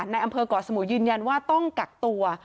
ในอำเภอก่อสมุยยืนยันว่าต้องกักตัว